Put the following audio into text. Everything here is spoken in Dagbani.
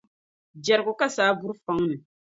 Jɛrigu ka saa buri fɔŋ ni.